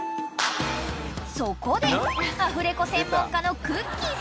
［そこでアフレコ専門家のくっきー！